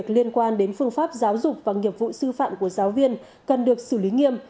liên quan đến phương pháp giáo dục và nghiệp vụ sư phạm của giáo viên cần được xử lý nghiêm